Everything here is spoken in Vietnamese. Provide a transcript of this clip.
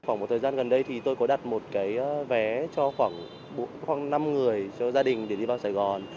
khoảng một thời gian gần đây thì tôi có đặt một cái vé cho khoảng năm người cho gia đình để đi vào sài gòn